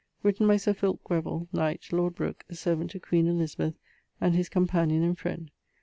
Written by Sir Fulke Grevil, knight, lord Brook, a servant to Queen Elisabeth, and his companion and friend.